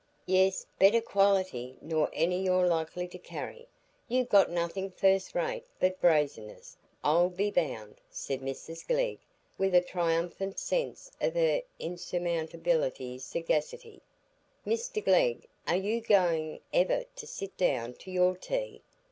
"Yes, better quality nor any you're like to carry; you've got nothing first rate but brazenness, I'll be bound," said Mrs Glegg, with a triumphant sense of her insurmountable sagacity. "Mr Glegg, are you going ever to sit down to your tea?